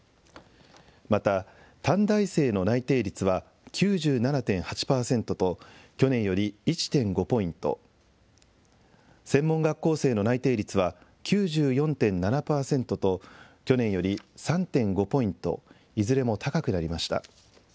また短大生の内定率は９７．８％と去年より１．５ポイント、専門学校生の内定率は９４．７％と去年より３．５ポイントいずれも高くなりました。